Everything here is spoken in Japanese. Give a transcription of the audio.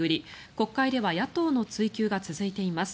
国会では野党の追及が続いています。